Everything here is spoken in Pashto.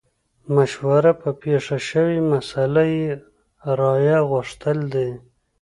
مشوره په پېښه شوې مسئله کې رايه غوښتل دي.